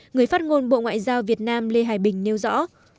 người phát ngôn bộ ngoại giao việt nam lê hải bình nêu rõ